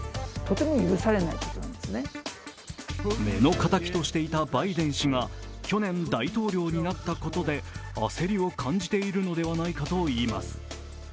目の敵としていたバイデン氏が去年大統領になったことで焦りを感じているのではないかといいます。